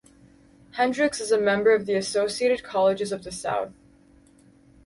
Hendrix is a member of the Associated Colleges of the South.